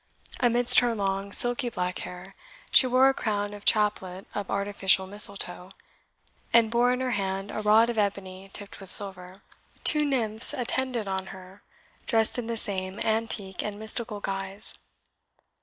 Amidst her long, silky black hair she wore a crown or chaplet of artificial mistletoe, and bore in her hand a rod of ebony tipped with silver. Two Nymphs attended on her, dressed in the same antique and mystical guise.